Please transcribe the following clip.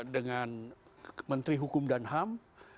dengan menteri hukum dan ham